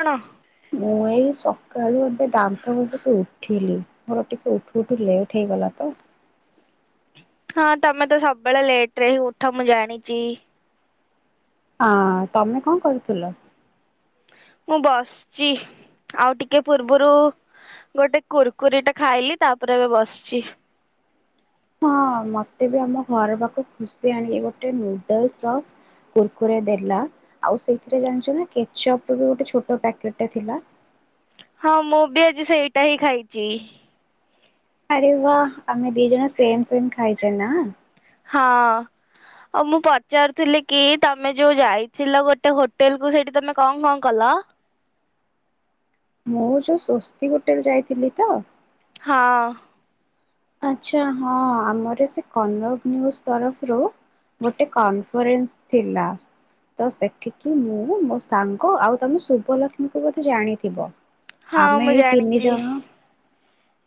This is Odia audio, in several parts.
କଅଣ? ମୁଁ ଏଇ ସକାଳୁ ଏବେ ଦାନ୍ତ ଘସିକି ଉଠିଲି। ମୋର ଟିକେ ଉଠୁ ଉଠୁ ଲେଟ୍ ହେଇଗଲା ତ [inaudible] ହଁ ତମେ ତ ସବବେଳେ ଲେଟ ରେ ହିଁ ଉଠ। ମୁଁ ଜାଣଚି ହଁ-ଅଁ, ତମେ କଅ କରୁଥୁଲ? ମୁଁ ବସଚି ଆଉ ଟିକେ ପୂରବୁରୁ ଉ ଗୋଟେ କୁୁରକୁରି ଟେ ଖାଇଲି। ତାପରେ ଏବେ ବସିଚି। ହଁ ମତେ ବି ଆମ ଘର ପାଖକୁ ଖୁସି ଆଣିକି ଗୋଟେ ନୁଡଲସ ର କୁରକୁରେ ଦେଲା। ଆଉ ସେଇଥିରେ ଜାଣିଛ ନା କେଚଅପ ବି ଗୋଟେ ଛୋଟ ପ୍ୟାକେଟ ଟେ ଥିଲା। [inaudible] ହଁ ମୁଁ ବି ଆଜି ସେଇଟା ହିଁ ଖାଇଚି। ଆରେ ୱା ଆମେ ଦି ଜଣ ସେମ ସେମ ଖାଇଚେ ନା ଆ? ହଁ ଅଁ, ଆଉ ମୁଁ ପଚାରୁଥିଲି କି ତମେ ଯୋଉ ଯାଇଥିଲ ଗୋଟେ ହୋଟେଲ କୁ ସେଇଠି ତମେ କଣ କଣ କଲ? [inaudible] ମୁଁ ଯୋଉ ସ୍ଵସ୍ତିକ ହୋଟେଲ ଯାଇଥିଲି ତ? ହଁ ଅଁ। ଆଛା ହଁ ଆମର ସେ କନକ ନିଉଜ ତରଫରୁ, ଗୋଟେ କନଫରେନ୍ସ ଥିଲା, ତ ସେଠିକି ମୁଁ ମୋ ସାଙ୍ଗ ଆଉ ତମ ଶୁଭ ଲକ୍ଷ୍ମୀଙ୍କୁ ବୋଧେ ଜାଣିଥିବ। ହଁ ଆମେ ମୁଁ ଏଇ ତିନି ଜାଣିଚି ଜଣ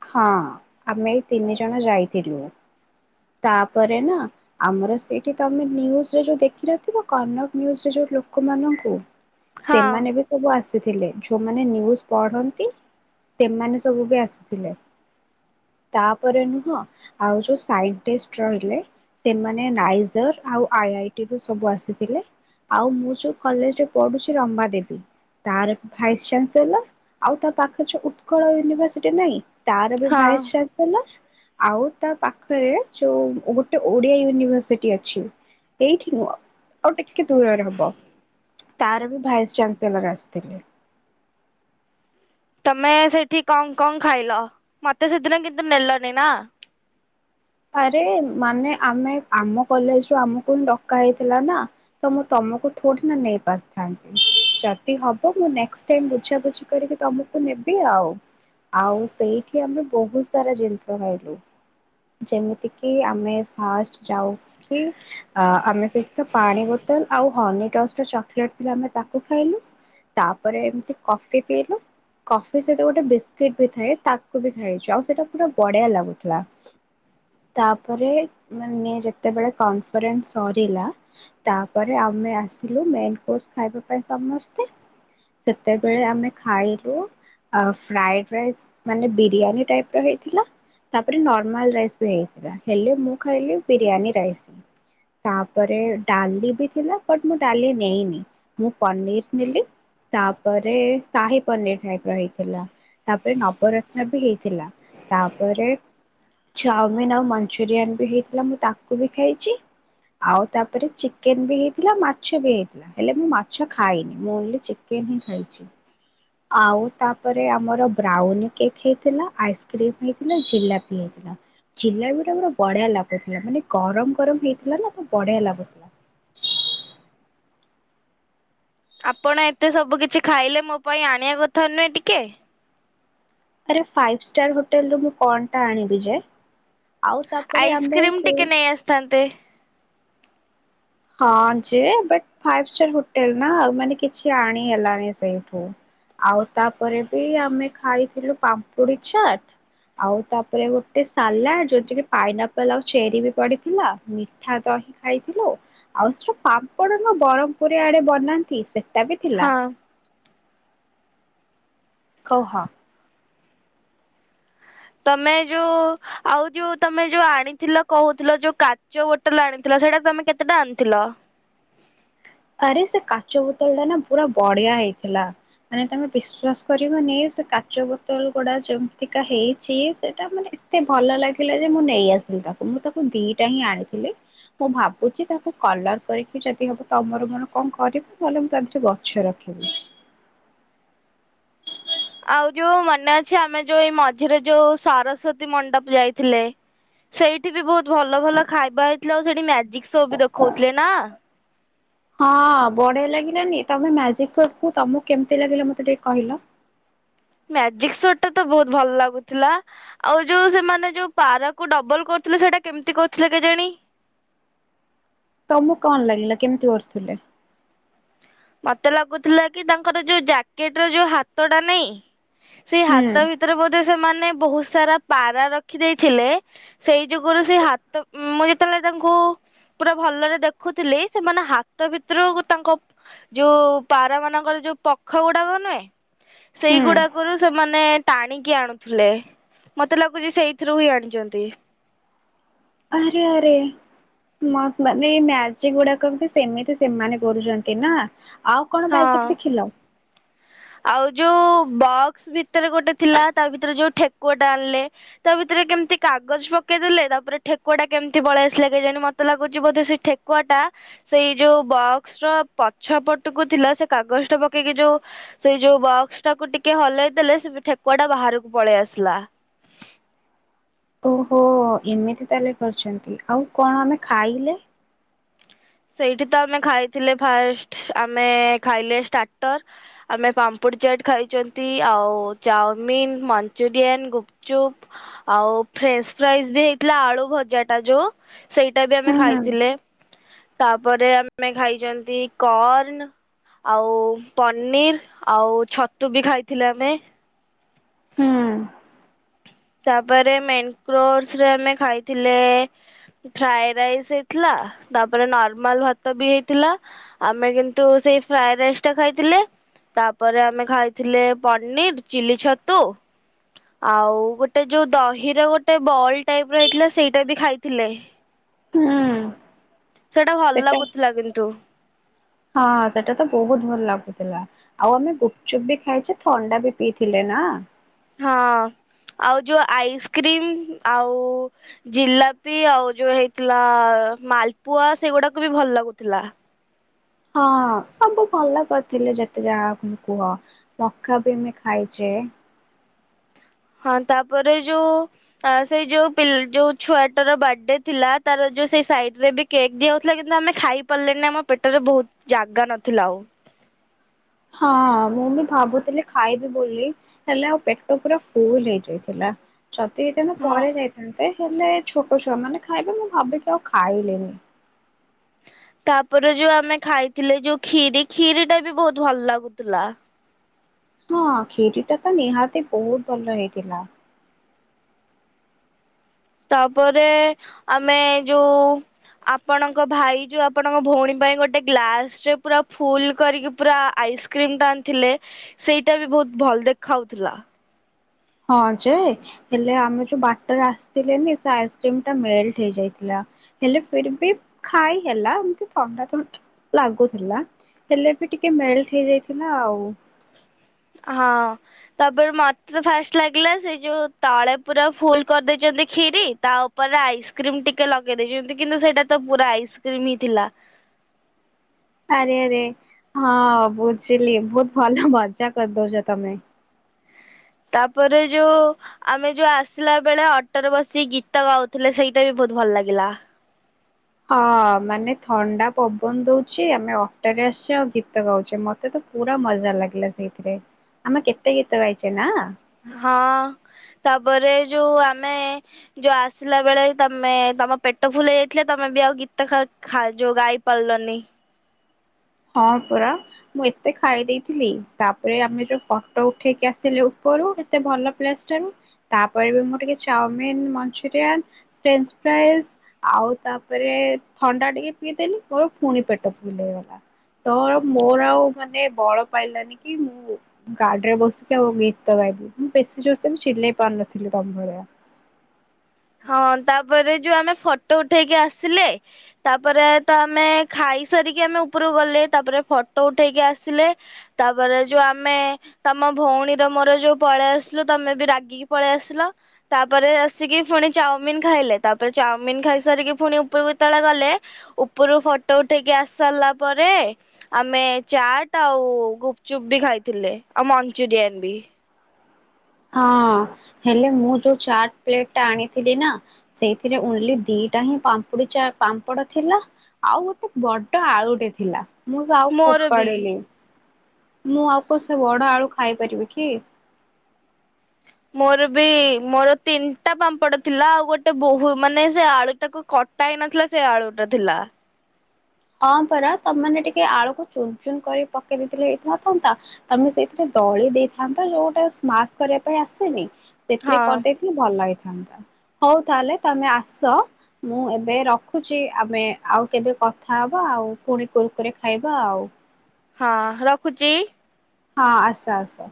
ହଁ ଅଁ, ଆମେ ଏଇ। ତିନି ଜଣ ଯାଇଥିଲୁ, ତାପରେ ନା, ଆମର ସେଇଠି ତମେ ନିଉଜରେ ଯୋଉ ଦେଖି ନଥିବ, କନକ ନିଉଜରେ ଯୋଉ ଲୋକମାନଙ୍କୁ ହଁ ସେମାନେ ବି ସବୁ ଆସ ଯୋଉମାନେ ନିଉଜ ପଢନ୍ତି, ସେମାନେ ସବୁ ବି ଆସିଥିଲେ। ତାପରେ ନୁହଁ, ଆଉ ଯୋଉ ସାଇଟେଷ୍ଟ ରହିଲେ ସେମାନେ ନାଇଜର ଆଉ ଆଇ ଆଇ ଟି ରୁ ସବୁ ଆସିଥିଲେ, ଆଉ ମୁଁ ଯୋଉ କଲେଜରେ ପଢୁଚି ରମାଦେବୀ, ତାର ଭାଇସ ଚାାନସେଲର, ଆଉ ତା ପାଖରେ ଯୋଉ ଉତ୍କଳ ୟୁନିଭରସିଟି ନାଇଁ। [inaudible] ତାର ବି ହଁ। ଭାଇସ ଚାନ ଆଉ ତା ପାଖରେ, ଯୋଉ ଗୋଟେ ଓଡିଆ ୟୁନିଭରସିଟି ଅଛି, ସେଇଠି ନୁଅ, ଆଉଟିକେ ଟିକେ ଦୂରରେ ହବ ତାର ବି ଭାଇସ୍ ଚାଞ୍ଚସେଲର ଆସିଥିଲେ। ତମେ ସେଇଠି କଣ କଣ ଖାଇଲ ମତେ ସେଦିନ କିନ୍ତୁ ନେଲନି ନା। ଆରେ ମାନେ ଆମେ ଆମ କଲେଜରୁୁ ଆମକୁ ହି ଡକା ହେଇଥିଲା ନା ତ ମୁଁ ତମକୁ ଥୋଡ଼ି ନା ନେଇ ପାରିଥାନ୍ତି ଯଦି ହବ ମୁଁ ବୁଝାବୁଝି କରିକି ତମକୁ ନେବି ଆଉ ଆଉ ସେଇଠି ଆମେ ବହୁତ ସାରା ଜିନିଷ ଖାଇଲୁ। ଯେମିତି କି ଆମେ ଫାଷ୍ଟ ଯାଉକି ଆମେ ସେଠି ତ ପାଣି ବୋତଲ ଆଉ ହନିଟସ ର ଚକୋଲେଟ ଥିଲା ଆମେ ତାକୁ ଖାଇଲୁ ତାପରେ ଏମତି କଫି ପିଇଲୁ କଫି ସହିତ ଗୋଟେ ବିସ୍କୁିଟ ବି ଥାଏ ତାକୁ ବି ଖାଇଛୁ। ଆଉ ସେଇଟା ପୁରା ବଢିଆ ଲାଗୁଥିଲା। ତାପରେ ମାନେ ଯେତେବେଳେ କନଫରେନ୍ସ ସରିଲା ତାପରେ ଆମେ ଆସିଲୁ ମେନକୋର୍ସ ଖାଇବା ପାଇଁ। ସମସ୍ତେ ସେତେଵେଳେ ଆମେ ଖାଇଲୁ ଫ୍ରାଏଡ ରାଇସ ମାନେ ବିରିୟାନୀ ଟାଇପର ହେଇଥିଲା ତାପରେ ନର ମାଲ ରାଇସ୍ ବି ହେଇଥିଲା ହେଲେ ମୁଁ ଖାଇଲି ବିରିୟାନୀ ରାଇସ୍ ତାପରେ ଡାଲି ବି ଥିଲା ବଟ୍ ମୁଁ ଡାଲି ନେଇନି ମୁଁ ପନିର ନେଲି ତାପରେ ସାହି ପନିର ଟାଇପ ର ହେଇଥିଲା ତାପରେ ନବରତ୍ନ ବି ହେଇଥିଲା ତାପରେ। ଚାଓମିନ୍ ଆଉ ମଞ୍ଚୁରିଆନ ବି ହେଇଥିଲା। ମୁଁ ତାକୁ ବି ଖାଇଛି ଆଉ ତାପରେ ଚିକେନ ବି ହେଇଥିଲା ମାଛ ବି ହେଇଥିଲା ହେଲେ ମୁଁ ମାଛ ଖାଇନି ମୁଁ ଓନ୍ଲି ଚିକେନ ହିଁ ଖାଇଛି ଆଉ ତାପରେ ଆମର ବ୍ରାଉନିକେକ୍ ହେଇଥିଲା ଆଇସ୍କ୍ରିମ ହେଇଥିଲା ଜିଲାପି। ବି ହେଇଥିଲା ଜିଲାବି ଟା ପୁରା ବଢିଆ ଲାଗୁଥିଲା ମାନେ ଗରମ ଗରମ ହେଇଥିଲା ନା ତ ବଢିଆ ଲାଗୁଥିଲା। ଆପଣ ଏତେ ସବୁ କିଛି ଖାଇଲେ ମୋ ପାଇଁ ଆଣିବା କଥା ନୁହେଁ ଟିକେ। ଆରେ ଫାଇଭ୍ ଷ୍ଟାର ହୋଟେଲ ରୁ ମୁଁ କଣ ଟା ଆଣିବି ଯେ। ଆଉ ତାପରେ ଆମେ ଆଇସ୍କ୍ରିମ ସେ ଟିକେ ନେଇ ଆସିଥାନ୍ତେ। ହଁ ଯେ ବଟ୍ ଫାଇଫ୍ ଷ୍ଟାର ହୋଟେଲ ନା ଆଉ ମାନେ କିଛି ଆଣି ହେଲାନି ସେଇଠୁ ଆଉ ତାପରେ ବି ଆମେ ଖାଇଥିଲୁ ପାମ୍ପୁଡି ଚାଟ ଆଉ ତାପରେ ଗୋଟେ ସାଲାଡ ଯୋଉଥିରେ କି ପାଇନାପଲ୍ ଆଉ ଚେରି ବି ପଡିଥିଲା ମିଠା ଦହି ଖାଇଥିଲୁ। ଆଉ ସେ ପାମ୍ପଡ ନା ବରହମପୁରୀ ଆଡେ ବନାନ୍ତି ସେ। ଟା ବି ଥିଲା। ହଁ କହ। ତମେ ଯୋଉ ଆଉ ଯୋଉ ତମେ ଯୋଉ ଆଣିଥିଲ କହୁଥିଲ ଯୋଉ କାଚ ବୋଟଲ ଆଣିଥିଲ ସେଇଟା ତମେ କେତେଟା ଆଣିଥିଲ। ଆରେ ସେ କାଚ ବୋତଲ ଟା ନା ପୁରା ବଢିଆ ହେଇଥିଲା ମାନେ ତମେ ବିଶ୍ୱାସ କରିବନି ସେ କାଚ ବୋତଲ ଗୁଡା ଯେମତିକା ହେଇଛି ସେଟା ମାନେ ଏତେ ଭଲ ଲାଗିଲା ଯେ ମୁଁ ନେଇ ଆସିଲି ତାକୁ ମୁଁ ତାକୁ ଦିଟା ହିଁ ଆଣିଥିଲି ମୁଁ ଭାବୁଛି ତାକୁ କଲର କରିକି ଯଦି ହବ। ତମର ମୋର କଣ କରିବ ନହେଲେ ମୁଁ ତା ଧରେ ଗଛ ରଖିବି। ଆଉ ଯୋଉ ମନେ ଅଛି ଆମେ ଯୋଉ ଏଇ ମଝିରେ ଯୋଉ ସରସ୍ଵତୀ ମଣ୍ଡପ ଯାଇଥିଲେ ସେଇଠି ବି ବହୁତ ଭଲ ଭଲ ଖାଇବା ହେଇଥିଲା ଆଉ ସେଇଠି ମ୍ୟା ଜିକ୍ ସୋ ବି ଦେଖଉଥିଲେ ନା। ହଁ ବଢିଆ ଲାଗିଲାନି ତମେ ମ୍ୟାଜିକ ସୋ କୁ ତମକୁ କେମିତି ଲାଗିଲା ମତେ ଟିକେ କହିଲ। ମ୍ୟାଜିକ ସୋଟା ତ ବହୁତ ଭଲ ଲାଗୁଥିଲା। ଆଉ ଯୋଉ ସେମାନେ ଯୋଉ ପାରାକୁ ଡବଲ କରୁଥିଲେ ସେଟା କେମିତି କରୁଥିଲେ କେଜାଣି। ତମକୁ କଣ ଲାଗିଲା କେମିତି କରୁଥିଲେ। ମତେ ଲାଗୁଥିଲା କି ତାଙ୍କର ଯୋଉ ଜ୍ୟାକେଟ ର ଯୋଉ ହାତ ଟା ନାଇଁ। ସେଇ ହୁଁ ହାତ ଭିତରେ ବୋଧେ। ସେମାନେ ବହୁତ ସାରା ପାରା ରଖି ଦେଇେଇଥିଲେ। ସେଇ ଯୁଗରୁ ସେ ହାତ ମୁଁ ଯେତେବେଳେ ତାଙ୍କୁ ପୁରା ଭଲରେ ଦେଖୁଥିଲି ସେମାନେ ହାତ ଭିତରୁ ତାଙ୍କ। ଯୋଉ ପାରା ମାନଙ୍କର ଯୋଉ ପଖ ଗୁଡାକ ନୁହେଁ। ହୁଁ ସେଇଗୁଡାକରୁ ସେ। ମାନେ ଟାଣିକି ଆଣୁଥିଲେ ମତେ ଲାଗୁଛି ସେଇଥିରୁ ହିଁ ଆଣିଛନ୍ତି। ଆରେ ଆରେ ମାନେ ମ୍ୟାଜିକ ଗୁଡାକ ବି ସେମିତି ସେମାନେ କରୁଛନ୍ତି ନା। ଆଉ କଣ ହଁ। ମ୍ୟାଜିକ ଦେଖିଲ। ଆଉ ଯୋଉ ବକ୍ସ ଭିତରେ ଗୋଟେ ଥିଲା ତା ଭିତରେ ଯୋଉ ଠେକୁଆ ଟା ଆଣିଲେ ତା ଭିତରେ କେମିତି କାଗଜ ପକେଇ ଦେଲେ ତାପରେ ଠେକୁଆ ଟା କେମିତି ପଳେଇ ଆସିଲା କେଜାଣି ମତେ ଲାଗୁଛି ବୋଧେ ସେ ଠେକୁଆ ଟା ସେଇ ଯୋଉ ବକ୍ସ ର ପଛ ପଟକୁ ଥିଲା ସେ କାଗଜ ଟା ପକେଇକି ଯୋଉ। ସେଇ ଯୋଉ ବକ୍ସ ଟାକୁ ଟିକେ ହଲେଇ ଦେଲେ ସେ ଠେକୁଆ ଟା ବାହାରକୁ ପଳେଇ ଆସିଲା। ଓହୋ ଏମିତି ତାହେଲେ କରିଛନ୍ତି ଆଉ କଣ ଆମେ ଖାଇଲେ। ସେଇଠି ତ ଆମେ ଖାଇଥିଲେ ଫାଷ୍ଟ ଆମେ ଖାଇଲେ ଷ୍ଟାର୍ଟର ଆମେ ପାମ୍ପୁଡ଼ି ଚାଟ ଖାଇଛନ୍ତି ଆଉ ଚାଉମିନ, ମଞ୍ଚୁରିଆନ, ଗୁପଚୁପ ଆଉ ଫ୍ରେଞ୍ଚ ଫ୍ରାଇଜ ବି ହେଇଥିଲା ଆଳୁ ଭଜାଟା ଯୋଉ। ସେଇଟା ବି ଆମେ ହୁଁ ହୁଁ ଖାଇଥିଲେ। ତାପରେ ଆମେ ଖାଇଛନ୍ତି କର୍ଣ ଆଉ ପନିର ଆଉ ଛତୁ ବି ଖାଇଥିଲେ ଆମେ। ହୁଁ। ତାପରେ ମେନକୋର୍ସ ଆମେ ଖାଇଥିଲେ ଫ୍ରାଏ ରାଇସ୍ ହେଇଥିଲା ତାପରେ ନର୍ମାଲ ଭାତ ବି ହେଇଥିଲା ଆମେ କିନ୍ତୁ ସେଇ ଫ୍ରାଏ ରାଇସ୍ ଟା ଖାଇଥିଲେ ତାପରେ ଆମେ ଖାଇଥିଲେ ପନିର, ଚିଲି ଛତୁ ଆଉ ଗୋ ଯୋଉ ଦହିର ଗୋଟେ ବଲ ଟାଇପ ର ରଇଥିଲା ସେଇଟା ବି ଖାଇଥିଲେ। ହୁଁ। ସେଇଟା ଭଲ ସେଟା ଲାଗୁଥିଲା କିନ୍ତୁ। ହଁ ସେଇଟା ତ ବହୁତ ଭଲ ଲାଗୁଥିଲା ଆଉ ଆମେ ଗୁପଚୁପ୍ ବି ଖାଇଚେ ଥଣ୍ଡା ବି ପିଇଥିଲେ ନା ହଁ ଆଉ ଯୋଉ ଆଇସ୍କ୍ରିମ ଆଉ ଜିଲାପି ଆଉ ଯୋଉ ହେଇଥିଲା ମାଲପୁଆ ସେଗୁଡାକୁ ବି ଭଲ ଲାଗୁଥିଲା। ହଁ ସବୁ ଭଲ କରିଥିଲେ ଯେତେ ଜାଗାକୁ କୁହ ମକା ବି ଆମେ ଖାଇଚେ ହଁ ତାପରେ ଯୋଉ ସେଇ ଯୋଉ ଯୋଉ ଛୁଆଟର ବାଡେ ଥିଲା ତାର ଯୋଉ ସେ ସାଇଟ୍ ରେ ବି କେକ୍ ଦିଆହଉଥିଲା କିନ୍ତୁ ଆମେ ଖାଇ ପାରିଲେନି ଆମ ପେଟରେ ବହୁତ ଜାଗା ନଥିଲା ଆଉ ହଁ ମୁଁ ବି ଭାବୁଥିଲି ଖାଇବି ବୋଲି ହେଲେ ଆଉ ପେଟ ପୁରା ଫୁଲ ହେଇଯାଇଥିଲା। ଯଦି ହେଇଥାନ୍ତା ହଁ। ପରେ ଖାଇଥାନ୍ତେ। ହେଲେ ଛୋଟଛୁଆ ମାନେ ଖାଇବେ ମୁଁ ଭାବି କି ଆଉ ଖାଇଲିନି। ତାପରେ ଯୋଉ ଆମେ ଖାଇଥିଲେ ଯୋଉ କ୍ଷୀରି କ୍ଷୀରି ଟା ବି ବହୁତ ଭଲ ଲାଗୁଥୁଲା। ହଁ କ୍ଷୀରିଟା ତ ନିହାତି ବହୁତ ଭଲ ହେଇଥିଲା। ତାପରେ ଆମେ ଯୋଉ ଆପଣଙ୍କ ଭାଇ ଯୋଉ ଆପଣଙ୍କ ଭଉଣୀ ପାଇଁ ଗୋଟେ ଗ୍ଲାସ ରେ ପୁରା ଫୁଲ କରିକି ପୁରା ଆଇସ୍କ୍ରିମ ଟା ଆଣିଥିଲେ ସେଇଟା ବି ବହୁତ ଭଲ ଦେଖାଉଥିଲା। ହଁ ଯେ ହେଲେ ଆମେ ଯୋଉ ବାଟରେ ଆସିଲେନି ସେ ଆଇସ୍କ୍ରିମ୍ ଟା ମେଲ୍ଟ ହେଇଯାଥିଲା ହେଲେ ଫିର୍ ବି ଖାଇ ହେଲା ଏମତି ଥଣ୍ଡା ଥଣ୍ଡା ଲାଗୁଥୁଲା ହେଲେ ବି ଟିକେ ମେଲ୍ଟ୍ ହେଇଯାଇଥିଲା ଆଉ ହଁ ତାପରେ ମତେ ଫାଷ୍ଟ ଲାଗିଲା ସେଇ ଯୋଉ ତଳେ ପୁରା ଫୁଲ କରିଦେଇଚନ୍ତି କ୍ଷୀରି ତା ଉପରେ ଆଇସ୍କ୍ରିମ ଟିକେ ଲଗେଇ ଦେଇଚନ୍ତି। କିନ୍ତୁ ସେଇଟା ତ ପୁରା ଆଇସ୍କ୍ରିମ ହିଁ ଥିଲା। ଆରେ ଆରେ ହଁ ବୁଝିଲି ବହୁତ ଭଲ ମଜା କରିଦଉଚ ତମେ ତାପରେ ଯୋଉ ଆମେ ଯୋଉ ଆସିଲା ବେଳେ ଅଟୋରେ ବସି ଗୀତ ଗାଉଥିଲେ ସେଇଟା ବି ବହୁତ ଭଲ ଲାଗିଲା। ହଁ ମାନେ ଥଣ୍ଡା ପବନ ଦଉଚି ଆମେ ଅଟରେ ଆସିଚେ ଆଉ ଗୀତ ଗାଉଚେ ମତେ ତ ପୁରା ମଜା ଲାଗିଲା ସେଇଥିରେ ଆମେ କେତେ ଗୀତ ଗାଇଚେ ନା ହଁ ତାପରେ ଯୋଉ ଆମେ ଯୋଉ ଆସିଲା ବେଳେ ତମେ ତମ ପେଟ ଫୁଲ୍ ହେଇଯାଇଥିଲେ ତମେ ବି ଆଉ ଗୀତ ଖାଉ-ଖା ଯୋଉ ଗାଇ ପାରିଲନି। ହଁ ପରା ମୁଁ ଏତେ ଖାଇ ଦେଇଥିଲି ତାପରେ ଆମେ ଯୋଉ ଫଟ ଉଠେଇକି ଆସିଲୁ ଉପରୁ ଏତେ ଭଲ ପ୍ଲେସ ଟାରୁ ତାପରେ ବି ମୁଁ ଟିକେ ଚାଓମିିନ ମଞ୍ଚୁରିଆନ୍ ଫ୍ରେଞ୍ଚ ଫ୍ରାଇଜ ଆଉ ତାପରେ ଥଣ୍ଡା ଟିକେ ପିଇଦେଲି ମୋର ପୁଣି ପେଟ ଫୁଲ୍ ହେଇଗଲା। ତ ମୋର ଆଉ ମାନେ ବଳ ପାଇଲାନି କି ମୁଁ ଗାଡିରେ ବସିକି ଆଉ ଗୀତ ଗାଇବି ମୁଁ ବେଶୀ ଜୋର ସେ ବି ଚିଲେଇ ପାରୁନଥିଲି ତମ ଭଳିଆ। ହଁ ତାପରେ ଯୋଉ ଆମେ ଫଟୋ ଉଠେଇକି ଆସିଲେ ତାପରେ ତ ଆମେ ଖାଇସାରିକି ଆମେ ଉପରକୁ ଗଲେ ତାପରେ ଫଟୋ ଉଠେଇକି ଆସିଲେ ତାପରେ ଯୋଉ ଆମେ ତମ ଭଉଣୀର ମୋର ଯୋଉ ପଳେଇ ଆସିଲୁ ତମେ ବି ରାଗିକି ପଳେଇ ଆସିଲ ତାପରେ ଆସିକି ଫୁଣି ଚାଓମିିନ ଖାଇଲେ ତାପରେ ଚାଓମିିନ ଖାଇସାରିକି ଫୁଣି ଉପୁରୁକୁ ଯେତେବେଳେ ଗଲେ ଉପୁରୁ ଫଟୋ ଉଠେଇକି ଆସି ସାରିଲା ପରେ ଆମେ ଚାଟ ଆଉ ଗୁପଚୁପ ବି ଖାଇଥିଲେ ଆଉ ମଞ୍ଚୁରିଆନ ବି ହଁ ହେଲେ ମୁଁ ଯୋଉ ଚାଟ୍ ପ୍ଲେଟ୍ ଟା ଆଣିଥିଲି ନା ସେଇଥିରେ ଓନ୍ଲି ଦିଟା ହିଁ ପାମ୍ପୁଡି ଚା ପାମ୍ପଡ଼ ଥିଲା ଆଉ ଗୋଟେ ବଡ ଆଳୁଟେ ଥିଲା। ମୁଁ ସେ ଆଉ ମୋର ବି ଫୋପାଡ଼ିଲି। ମୁଁ ଆଉ କ ସେ ବଡ ଆଳୁ ଖାଇପାରିବି କି ମୋର ବି ମୋର ତିନିଟା ପାମ୍ପଡ଼ ଥିଲା ଆଉ ଗୋଟେ ବୋହୂ ମାନେ ସେ ଆଳୁ ଟାକୁ କଟା ହେଇ ନଥିଲା ସେ ଆଳୁଟା ଥିଲା। ହଁ ପରା ତମେ ମାନେ ଟିକେ ଆଳୁକୁ ଚୁନ ଚୁନ କରି ପକେଇ ଦେଇଥିଲେ ହେଇିନଥାନ୍ତା ତମେ ସେଇଥିରେ ଦଳି ଦେଇଥାନ୍ତ ଯୋଉଟା ସ୍ମାସ କରିବା ପାଇଁ ଆସେନି। ସେଥିରେ ହଁ କରିଦେଇଥିଲେ ଭଲ ହେଇ ଥାନ୍ତା ହଉ ତାହେଲେ ତମେ ଆସ ମୁଁ ଏବେ ରଖୁଚି ଆମେ ଆଉ କେବେ କ ଥା ହବା ଆଉ ପୁଣି କୁରକୁରେ ଖାଇବା ଆଉ ହଁ ରଖୁଚି। ହଁ ଆସ ଆସ